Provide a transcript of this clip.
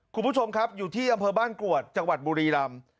คุณผู้ชมครับอยู่ที่อำเภอบ้านกรวดจังหวัดบุรีรำ